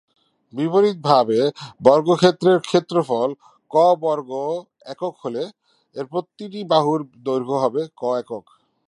বিপরীতভাবে, বর্গক্ষেত্রের ক্ষেত্রফল "ক" বর্গ একক হলে, এর প্রতিটি বাহুর দৈর্ঘ্য হবে ‘"ক"’ একক।